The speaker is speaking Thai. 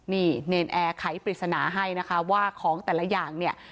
นี่เนรนแอร์ไขปริศนาให้นะคะว่าของแต่ละอย่างเนี่ย